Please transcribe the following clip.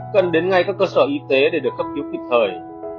cần đến ngay các cơ sở y tế để được cấp cứu kịp thời